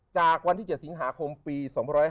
จากวันที่๗สิงหาคมปี๒๕๕๙